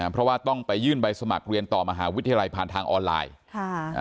เพราะว่าต้องไปยื่นใบสมัครเรียนต่อมหาวิทยาลัยผ่านทางออนไลน์